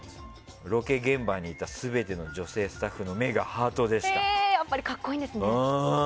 ロケ現場にいた全ての女性スタッフの目がハートでした。